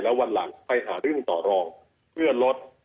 แล้ววันหลังไปหาเรื่องต่อรองเพื่อลด